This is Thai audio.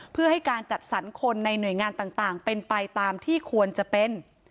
เพื่อให้การจัดสรรคนในหน่วยงานต่างเป็นไปตามที่ควรจะเป็น